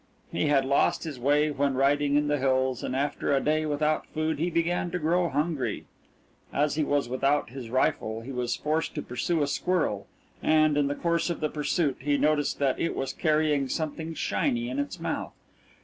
He had lost his way when riding in the hills, and after a day without food he began to grow hungry. As he was without his rifle, he was forced to pursue a squirrel, and, in the course of the pursuit, he noticed that it was carrying something shiny in its mouth.